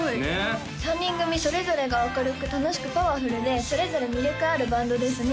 ３人組それぞれが明るく楽しくパワフルでそれぞれ魅力あるバンドですね